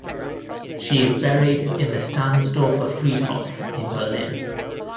She is buried in the Stahnsdorfer Friedhof in Berlin.